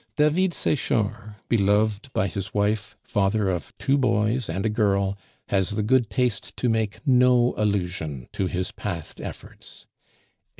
David Sechard, beloved by his wife, father of two boys and a girl, has the good taste to make no allusion to his past efforts.